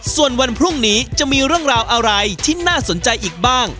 ส่วนวันพรุ่งนี้จะมีเรื่องราวอะไรที่น่าสนใจอีกบ้าง